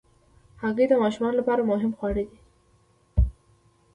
هګۍ د ماشومانو لپاره مهم خواړه دي.